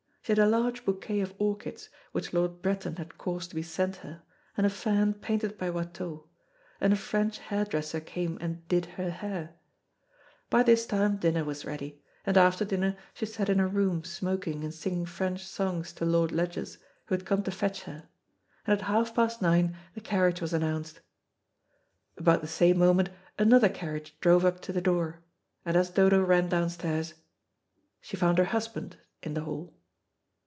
She had a large bouquet of orchids, which Lord Bretton had caused to be sent her, and a fan painted by Watteau, and a French hair dresser came and "did" her hair. By this time dinner was ready; and after dinner she sat in her room smoking and singing French songs to Lord Ledgers, who had come to fetch her, and at half past nine the carriage was announced. About the same moment another carriage drove up to the door, and as Dodo ran downstairs she found her husband in the hall.